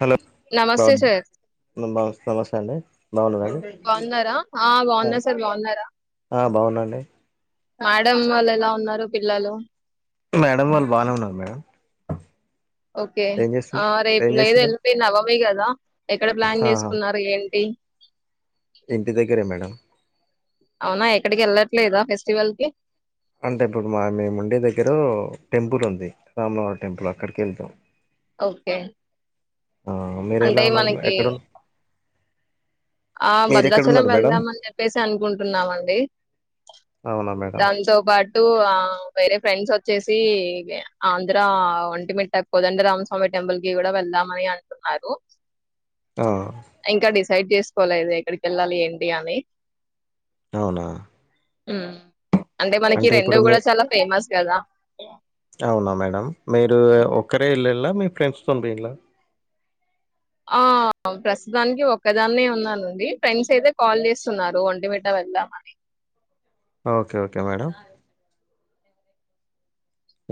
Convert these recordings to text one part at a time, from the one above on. Hello నమస్తే బగునా sir నమస్తే మస్తే అండి బాగున్నారండి బాగున్నారా ఆ బాగున్నా సార్ బాగున్నారా ఆ బాగున్నాండి మేడం వాళ్ళు ఎలా ఉన్నారు పిల్లలు మేడం వాళ్ళు బానే ఉన్నారు మేడం ఓకే ఏం చేస్తు ఆ రేపు ఏం లేదు చేస్తున్నారు ఎల్లుండి నవమి కదా ఎక్కడ ప్లాన్ ఆహా చేసుకున్నారు ఏంటి ఇంటి దగ్గరే మేడం అవునా ఎక్కడికి ఏళ్లట్లేదా ఫెస్టివల్‌కి అంటే ఇప్పుడు మా మేముండే దగ్గర టెంపుల్ ఉంది రాములవారి టెంపుల్ అక్కడికేళ్తాం ఓకే ఆ మీరు ఎలా అంటే ఉన్నారు మనకి ఎక్కడున ఆ భద్రాచలం మేడం వెళ్దామని చెప్పేసి అనుకుంటున్నామండి అవునా మేడం దాంతో పాటు ఆ వేరే ఫ్రెండ్స్ వచ్చేసి ఆంధ్ర ఒంటిమిట్ట కోదండరామస్వామి టెంపుల్‌కి కూడా వెళ్దామని అంటున్నారు ఆ సైడ్ చేసుకోలేదు ఎక్కడికి ఎళ్ళాలి ఏంటి అని అవునా మ్మ్ అంటే మనకి రెండు ఇప్పుడు మీ కూడా చాలా ఫేమస్ కదా అవునా మేడం మీరు ఒక్కరే ఎళ్ళిళ మీ ఫ్రెండ్స్‌తోనా పొయిళ ఆ ఆ ప్రస్తుతానికి ఒక్కదాన్నే ఉన్నానండి ఫ్రెండ్స్ అయితే కాల్ చేస్తున్నారు ఒంటిమిట వెళ్దామని ఓకే ఓకే మేడం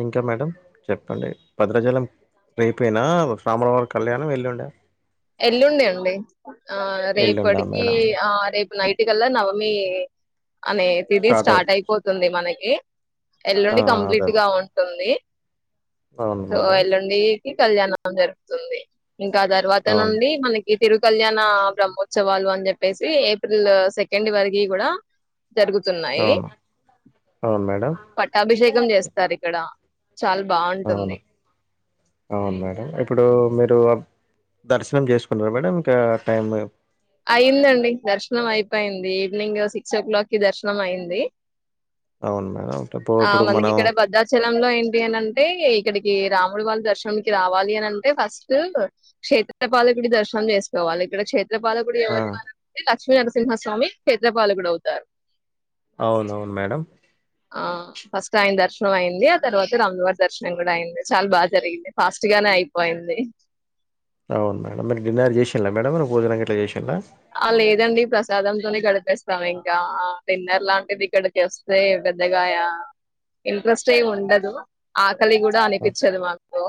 ఇంకా మేడం చెప్పండి భద్రాచలం రేపేనా రాముల వారి కళ్యాణం ఎల్లుండా ఎల్లుండే అండి ఆ ఎల్లుండా రేపటికి మేడం ఆ రేప్ నైట్ కల్లా నవమి అనే తిదీ స్టార్ట్ అయిపోతుంది మనకి ఆ ఎల్లుండి అదే అదే కంప్లీట్‌గా ఉంటుంది అవును సో మేడం ఎల్లుండికి కళ్యాణం జరుగుతుంది ఇంకా తర్వాత అవును నుండి మనకి తిరు కళ్యాణ బ్రహ్మోత్సవాలు అని చెప్పేసి ఏప్రిల్ సెకండ్ వరకి కూడా జరుగుతున్నాయి అవును అవును మేడం పట్టాభిషేకం చేస్తారు ఇక్కడ అవునా అవును మేడం ఇప్పుడు మీరు దర్శనం చేసుకున్నారు మేడం ఇంకా టైమ్ అయిందండి దర్శనం అయిపోయింది ఈవినింగ్ సిక్స్ ఓ క్లాక్ కి దర్శనం అయింది అవును మేడం ఇప్పుడు ఆ ఇప్పుడు మనకి మనం ఇక్కడ భద్రాచలంలో ఏంటి అని అంటే ఇక్కడికి ఈ రాముడి వాళ్ళ దర్శననికి రావాలి అని అంటే ఫస్ట్ క్షేత్రపాలికుడి దర్శనం చేసుకోవాలి ఇక్కడ క్షేత్రపాలకుడు ఆ ఎవరుంటే లక్ష్మీనరసింహస్వామి క్షేత్రపాలకుడు అవుతారు అవునవును మేడం ఆ ఫస్ట్ ఆయన దర్శనం అయింది ఆ తర్వాత రామవారి దర్శనం కూడా అయింది చాలా బాగా జరిగింది ఫాస్ట్ గా నే అయిపోయింది అవును మేడం మీరు డిన్నర్ చేసిలా మేడం మీరు భోజనం గట్లా చేసిండా ఆ లేదండి ప్రసాదం తోనే గడిపేస్తాం ఇంకా ఆ డిన్నర్ లాంటిది ఇక్కడా చేస్తే గద్దగాయ ఇంట్రెస్ట్ ఎ ఉండదు ఆకలి కూడా అనిపించదు మాకు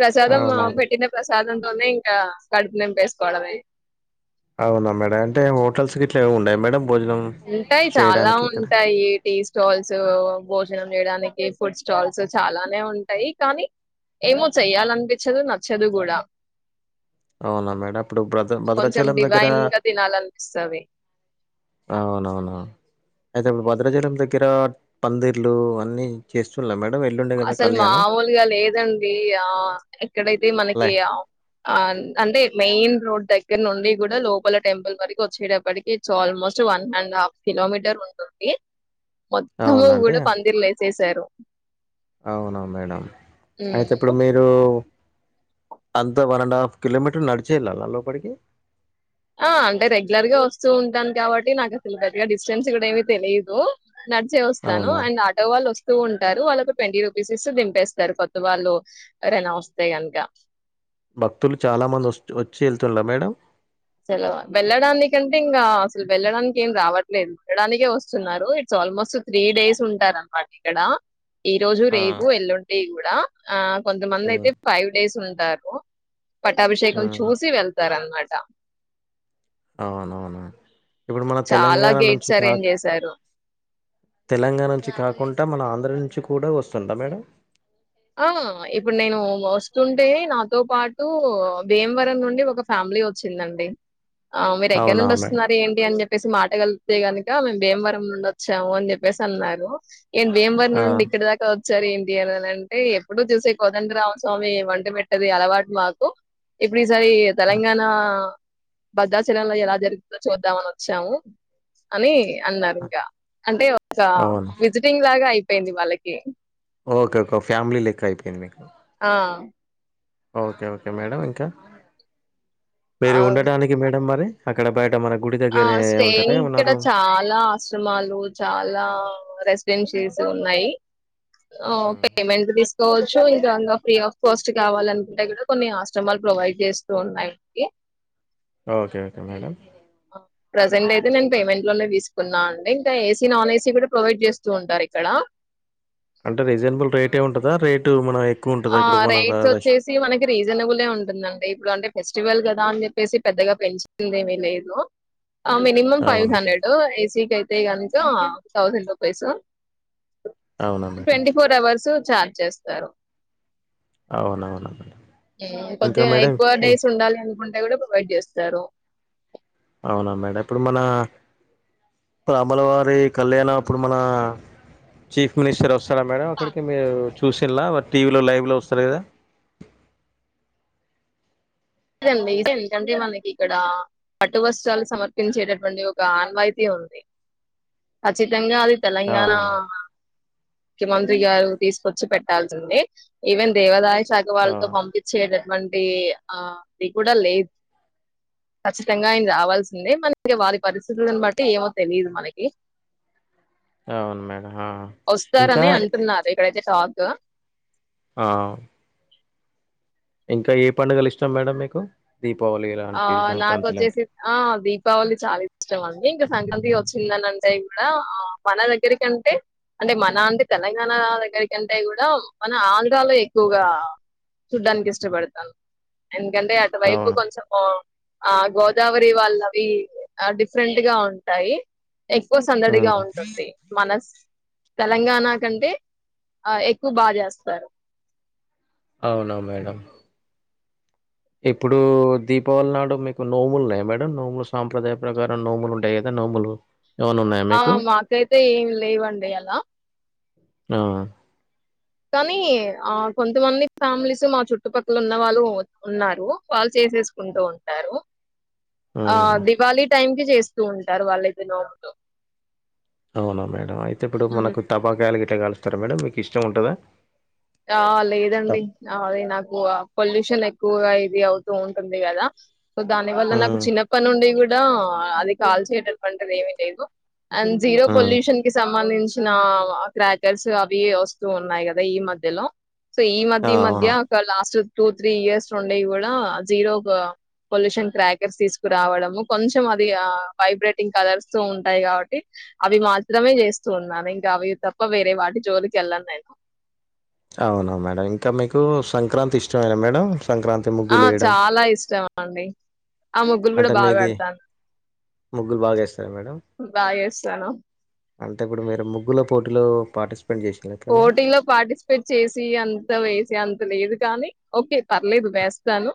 ప్రసాదం అవునా పెట్టిన ప్రసాదంతోనే ఇంకా కడుపు నింపేసుకోవడమే అవునా మేడం అంటే హోటల్స్ కి ఇట్లా ఉన్నాయా మేడం భోజనం ఉంటాయి చాలా చేయడానికి ఇక్కడ ఉంటాయిటీస్ట్ స్టాల్స్ భోజనం చేయడానికి ఫుడ్ స్టాల్స్ చాలానే ఉంటాయి కానీ ఏమో చెయ్యాలనిపించదు నచ్చదు కూడా అవునా మేడం ఇప్పుడు భద్ర కొంచెం భద్రాచలం దగ్గర డివైన్ గా తినాలనిపిస్తంది అవునవును అయితే ఇప్పుడు భద్రాచలం దగ్గర పందిర్లు అన్నీ చేస్తున్నా మేడం ఎల్లుండే కదా అసలు కళ్యాణం మామూలుగా లేదండి ఆ ఎక్కడైతే మనకి లై ఆ అందే మెయిన్ రోడ్ దక్ ఇ్గ నుండి కూడా లోపల టెంపుల్ వరకు వచ్చేటప్పటికి almost one and half kilometre ఉంటుంది మొత్తము అవునండి కూడా పందిర్లు వసేసారు అవునా మేడం అయితే ఇప్పుడు మీరు అంతా వన్ అండ్ హాఫ్ కిలోమీటర్ నడిచేళ్ళాలా లోపలికి ఆ అంటే రెగ్యులర్ గా వస్తూ ఉంటాను కాబట్టి నాకు అసలు పెద్దగా డిస్టెన్స్ కూడా ఏమీ తెలిదు నడిచే వస్తాను అవునా అండ్ ఆటో వాళ్ళు వస్త స్తూ ఉంటారు వాళ్ళకు ట్వంటీ రూపీస్ ఇస్త దింపేస్తారు కొత్త వాళ్ళు ఎవరైనా వస్తే కనుక భక్తులు చాలా మంది వ వచ్చి వెళ్తుండార మేడం సల వెళ్లడానికంటే ఇంకా అసలు వెళ్ళడానికి ఏం రావట్లేదు వెళ్ళడానికే వస్తున్నారు ఇట్ ఆల్మోస్ట్ త్రీ డేస్ ఉంటారు అనమాట ఇక్కడ ఈ రోజు ఆ రేపు ఎల్లుండి కూడా ఆ కొంతమంది ఉమ్ అయితే ఫైవ్ డేస్ ఉంది ఉంటారు పట్టాభిషేకం ఉమ్ చూసి వెళ్తార అనమాట అవునవును ఇప్పుడు మన చాలా తెలంగాణ నుంచి గేట్స్ కాక అరేంజ్ చేశారు తెలంగాణ నుంచి కాకుండా మన ఆంధ్ర నుంచి కూడా వస్తుందా మేడం ఆ ఇప్పుడు నేను చస్తుంటే నాతో పాటు భీమవరం నుండి ఒక ఫ్యామిలీ వచ్చిందండి ఆ మీరు ఎక్కడ అవునా నుండి మేడం వస్తున్నారు ఏంటి అని చెపి చెప్పేసి మాటగలితే గనుక మేము భీమవరం నుండి వచ్చాము అని చెప్పేసి అన్నారు ఏంటి భేం వరం ఆ నుండి ఇక్కదాకా వచ్చారు ఏంటి అనని అంటే ఎప్పుడుూ చూసే కోదండరామస్వామి వంట పెట్టది అలవాటు మాకు ఇప్పుడు ఇప్పుడు ఈసారి ఆ! తెలంగాణ భద్రాచలంలో ఎలా జరుగుందో చూద్దామని వచ్చాము అని అన్నారు ఆ! ఇంకా అంటే ఒక అవును విజిటింగ్ లాగా అయిపోయింది వాళ్ళకి ఓకే ఓకే ఫ్యామిలీ లెక్క అయిపోయింది మీకు ఆ ఓకే ఓకే మేడం ఇంకా ఆ మీరు ఉండడానికి మేడం మరి అక్కడ బయట మనకు ఆ స్టే ఇక్కడ చాలా ఆశ్రమాలు చాలా రెసిడెన్షి ఉన్నాయి హ్మ్. పేమెంట్ వచ్చు ఇంకాంగా ఫ్రీ ఆఫ్ కాస్ట్ కావాలనుకుంటే కూడా కొన్ని ఆశ్రమాలు ప్రొవైడ్ చేస్తూ ఉన్నాయికి ఓకే ఓకే మేడం ప్రజెంట్ అయితే నేను పేమెంట్ లోనే తీసుకున్నాను అండి ఇంకా ఏసీ నాన్ ఏసీ కూడా ప్రొవైడ్ చేస్తూ ఉంటారు క్కడ అంటే రీజనబుల్ రేట్ ఏ ఉంటందా రేటు మనం ఎక్కువ ఉంటదా ఆ ఇప్పుడు మన ర రేట్స్ రష్ వచ్చేసి మనకి రీజనబులే ఉంటుందండి ఇప్పుడు అంటే ఫెస్టివల్ కదా అని చెప్పేసి పెద్దగా పెన్సిన్ ఏమీ లేదు మినిమం ఫైవ్ అవునా హండ్రెడ్ ఏసీ క అయితే ే కక థౌసండ్ రూపీస్ అవునా madam twenty four hours charge చేస్తారు అవునవునా మేడం ఇంకా కొద్దిగా మేడం ఎక్కువ ఇ డేస్ ఉండాలి అనుకుంటు కూడా ప్రొవైడ్ చేస్తారు అవునా మేడం ఇప్పుడు మన ఇప్పుడు అమలవారి కళ్యాణ ఇప్పుడు మన చీఫ్ మినిస్టర్ ఆఫ్ వస్తారా మేడం అక్కడికి మీరు చూసిలా టీవీలో లైవ్లో వస్తారు కదా ఇదండి ఇదేండి కంీమాకి ఇక్కడ పట్టు వస్త్రాలు సమర్పించేటటువంటి ఒక ఆన్వాయితీ ఉంది ఖచ్చితంగా అది ఆ! తెలంగాణ ముఖ్యమంత్రి గారు తీసుకొచ్చి పెట్టాల్సిందే ఈవెన్ దేవాదాయ విశాగ ఆ! వాళ్ళతో పంపించేటటువంటి ఆ ఇది కూడా లేదు కఖచ్చితంగా ఆయన రావాల్సిందే మన వారి పరిస్థితులని బట్టి ఏమో తెలియదు మనకి అవును మేడం ఆ! ఇంకా వస్తారని అంటున్నారు ఇక్కడైతే షాక్ ఆ ఇంకా ఏ పండుగలు ఇష్టం మేడం మీకు దీపావళి ఆ ఇలాంటి సంక్రాంతి ఇలాంటి నాకుొచ్చేసి ఆ దీపావళి చాలా ఇష్టం అండి ఇంకా సంక్రాంతి వచ్చిందన అంటే ఇక్కడ మన దగ్గరికంటే అంటే మన అంటే తెలంగాణ దగ్గర కంటే కూడా మన ఆంధ్రాలో ఎక్కువగా చూడ్డానికి ఇష్టపడతాను ఎందుకంటే అటువైపు అవును కొంచెం ఆ గోదావరి వాళ్ళవి డిఫరెంట్ గా ఉంటాయి ఎక్కువ ఉమ్. సందడిగా ఉంటుది మనస్ తెలంగాణ కంటే ఆ ఎక్కువ బాగా చేస్తారు అవునా మేడం ఇప్పుడు దీపావళి నాడు మీకు నోములు ఉన్నాయి మేడం నోములు సాంప్రదాయ ప్రకారం నోములు ఉంటాయి కదా నోము ముల్ ఆ మాకైతే ఏం లేవండి అలా ఆ కానీ ఆ కొంతమంది ఫ్యామిలీస్ మా చుట్టుపక్కల ఉన్న వాళ్ళు ఉన్నారు వాళ్ళు చే చేసుకుంటూ ఉంటారు ఆ ఉమ్ దివాళి టైం కి చేస్తూ ఉంటారు వాళ్ళు ఇది నోముతో అవునా మేడం అయితే ఇప్పుడు మనకు టపాకాయలు గిట్ల కలుస్తారా మేడం మీకు ఇష్టం ఉంటుందా ఆ లేదండి అదే నాకు పొల్యూషన్ ఎక్కువగా ఇది అవుతూ ఉంటుంది కదా సో దాని వల్ల నాకు ఉమ్ చిన్న పని ఉండి కూడా అది కాల్చటవంటిది ఏమ లేదు అండ్ జీరో ఉమ్ పొల్యూషన్ కి సంబంధించి వచ్చిన క్రాకర్స్ అవి వస్తూ ఉన్నాయి కదా ఈ మధ్యలో సో ఈ మధ్య ఈ మధ్య అవును ఒక లాస్ట్ టూ త్రీ ఇయర్స్ ఉండేవి కూడా జీరో క్ పొల్యూషన్ క్రాకర్స్ తీసుకురావడము కొంచెం అది వైబ్రేటింగ్ కలర్స్ ఉంటాయి కాబట్టి అవి మాత్రమే చేస్తూ ఉన్నాను ఇంకా అవి తప్ప వేరే వాటి జోలికి వెళ్ళను నేను అవును మేడం ఇంకా మీకు సంక్రాంతి ఇష్టమైన మేడం సంక్రాంతి ఆ ముగ్గులు వేయడం చాలా ఇష్టం అండి ఆ ముగ్గులు కూడా అంటే బాగా మీది పెడతాను ముగ్గులు బాగా వేస్తారు మేడం బాగా చేస్తాను అంటే ఇప్పుడు మీరు ముగ్గుల పోటీలో పార్టిసిపేట్ చేసిన్ల ఎప్పుడన్నా పోటీ లో పార్టిసిపేట్ చేసి అంత వేసి అంత లేదు కానీ ఓకే పర్లేదు వేస్తాను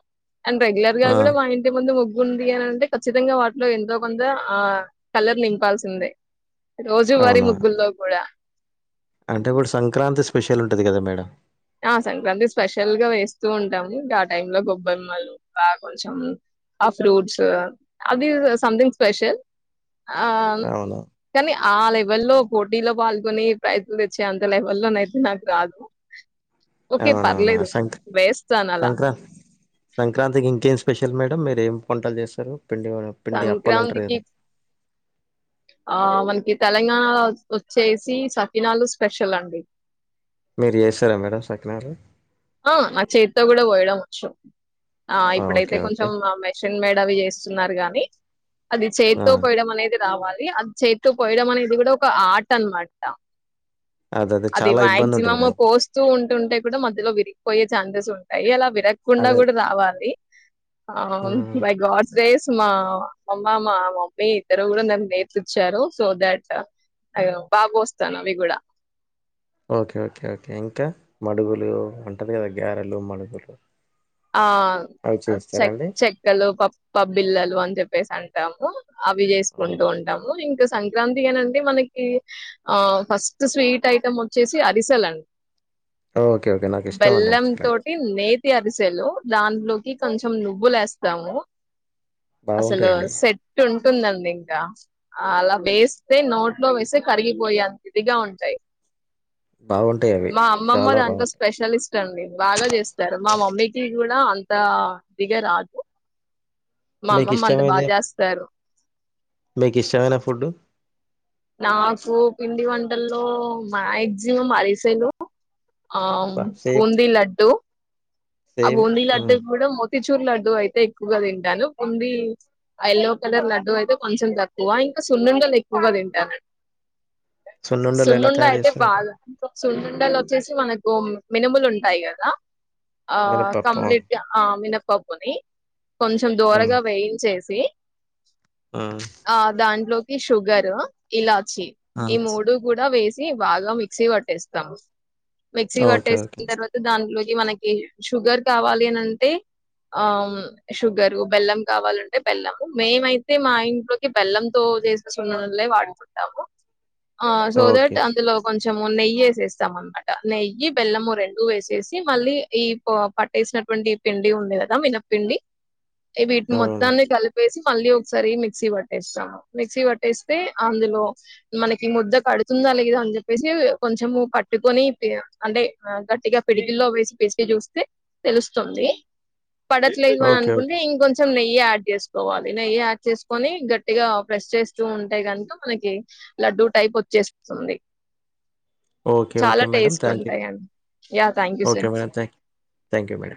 అండ్ రెగ్యులర్ గా ఆ కూడా మా ఇంటి ముందు ముగ్గు గుంది అనింటే ఖచ్చితంగా వాటిలో ఎంతో కొంత ఆ కలర్ నింపాల్సిందే. రోజు వారి అవునా ముగ్గుల్లో కూడా అంటే ఇప్పుడు సంక్రాంతి స్పెషల్ ఉంటది కదా మేడం ఆ సంక్రాంతి స్పెషల్ గా వేస్తూ ఉంటాము గా టైమ్ లో గొబ్బెమ్మలు గా కొంచెం ఆ ఫ్రూట్స్ అది సంథింగ్ స్పెషల్ ఆ అవును. కానీ ఆ లెవెల్ల్లో పోటీలో పాల్గొని ప్రయత్నలు తెచ్చే అంత లెవెల్ లోనయితే నాకు రాదు ఓకే. అవునవునా పర్లేదు సంక వేస్తానలా. సంక్రాంతి సంక్రాంతికి ఇంకేం స్పే స్పెషల్ మేడం మీరు ఏం పంటలు చేస్తారు పిండి పిండి అప్పాలు అంటారు సంక్రాంతికి కదా ఆ మనకి తెలంగాణలో వచ్చేసి సకినాలు స్పెషల్ అండి మీరు చేస్తారా మేడం సకినాలు ఆ ఆ చేతితో కూడా పోయడం వచ్చు ఆ ఇప్పుడైతే ఓకే కొంచెం ఓకే మెషిన్ మేడ్ డవి చేస్తున్నారు గాని అది ఆ చేత్తో పోయడం అనేది రావాలి అది చేతు పోయడం అనేది కూడా ఒక ఆర్ట్ అనమాట అదే అదే అది చాలా ఇబ్బంది ఉంటది మాక్సిమమ్ కదా పోస్తూ ఉంటుంటే కూడా మధ్యలో విరిగి ఛాన్సెస్ ఉంటాయి అలా విరగకుండా అదే కూడా రావాలి ఆ హ్మ్. బై గాడ్స్ గ్రేస్ మా అమ్మ మా మమ్మీ ఇద్దరు కూడా నన్ నేర్పుచ్చారు సో దట్ బాగ్ పోస్తాను అవి కూడా ఓకే ఓకే ఓకే ఇంకా మడుగులు అంటారు కదా గారెలు మడుగులు ఆ అవి చె చేస్తారండి చెక్కలు పప్ప పప్ప బిల్లలు అని చెప్పేసి అంటాము అవి చేసుకుంటూ ఉంటాము ఇంకా సంక్రాంతి అనండి మనకి ఆ ఫస్ట్ స్వీట్ ఐటెం వచ్చేసి అరిసెల్ అండి ఓకే ఓకే నాకు ఇష్టం అండి బెల్లం అవి తోటి నేతి అరిసి వుంటలు దానిలోకి కొంచం నువ్వులు వేస్తాము అసలు బాగుంటాయండి సెట్ ఉంటుందండి ఇంకా అలా వేస్తే నోట్లో వేసి కరిగిపోయి అంతదిగా ఉంటాయి బాగుంటాయి అవి మా అమ్మమ్మ చాలా దాంట్లో బాగుంటాయి స్పెషలిస్ట్ అండి బాగా చేస్తారు మా మమ్మీ టి కూడా అంత దిగ రాదు మా మీకు అమ్మమ్ అంత బాగా ఇష్టమైంది చేస్తారు మీకు ఇష్టమైన ఫుడ్ నాకు పిండి వంటల్లో మక్సిమం అరిసెలు ఆ బా సేమ్ బూంది లడ్డు ఆ సేమ్ బూందీ ఉమ్. లడ్డుకూడా మొతిచూరు లడ్డు అయితే ఎక్కువగా తింటాను బూందీ యెల్లో కలర్ లడ్డు అయితే కొంచెం తక్కువ ఇంకా సున్నుండలు ఎక్కువగా తింటాను సున్నుండలు ఎలా సున్నుండ తయారు అయితే చేస్తారు బాగా వున్ సున్నుండలు వచ్చేసి మనకు మినిములు ఉంటాయి కదా ఆ మినపప్పు ఉమ్, కంప్లీట్ గా ఆ మినపప్పుని కొంచెం ఉమ్, దోరగా వేయించేసి ది ఉమ్, ఆ దాంట్లోకి షుగర్ ఇలా ఇలా ఛి ఈ ఉమ్. మూడు కూడా వేసి బాగా మిక్సీ కొట్టేస్తా మిక్సీ ఓకే ఓకే పట్టేసిన తర్వాత దాంలోకి మనకి షుగర్ కావాలి అని అంటే ఆ షుగరు బెల్లం కావాలంటే బెల్లం మేమయితే మా ఇంట్లోకి బెల్లంతో ఇంట్లో చేసిన సునుండలే వాడుకుంటాము ఆ సో ఓకే థట్ అందులో కొంచెం కొంచెము నెయ్యి ఏసేస్తాం అనమాట నెయ్యి బెల్లము రెండు వేసేసి మళ్ళీ ఈ పో పట్టేసినటువంటి పిండి ఉంది కదా మినపిండి ఏవిటి నీ అవును మొత్తాన్ని కలిపేసి మళ్ళీ ఒకసారి మిక్సీ పట్టేస్తాను మిక్సీ పట్టేస్తే అందులో మనకి ముద్ద కడుతుంది కలిద అని చెప్పేసి కొంచెము కట్టుకొని అంటే గట్టిగా పిడికిల్లో వేసి పిసికి చూస్తే తెలుస్తుంది పడట్లేదు అని ఓకే ఓకే అనుకుంటే ఇంకొంచెం నెయ్యి యాడ్ చేసుకోవాలి నేయి యాడ్ చేసుకొని గట్టిగా ప్రెస్ చేస్తూ ఉంటే గనక మనకి ల డు టైప్ వచ్చేస్తుంది ఓకే ఓకే చాలా మేడం టేస్ట్ థ్యాంక్ యూ ఉంటాయండి yeah thank you okay sir madam థా థ్యాంక్ యూ మేడ